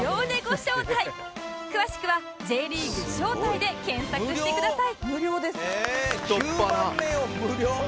詳しくは「Ｊ リーグ招待」で検索してください